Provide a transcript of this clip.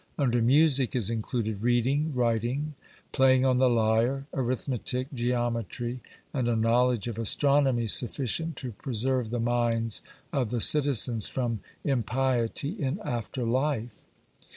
Under music is included reading, writing, playing on the lyre, arithmetic, geometry, and a knowledge of astronomy sufficient to preserve the minds of the citizens from impiety in after life.